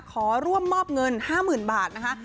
ขอร่วมมอบเงิน๕๐๐๐บาทนะคะ